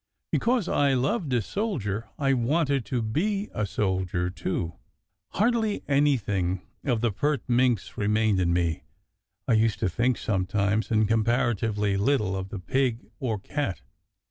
Because I loved a soldier, I wanted to be a soldier, too ! Hardly anything of the pert minx re mained in me, I used to think sometimes, and compara tively little of the pig or cat.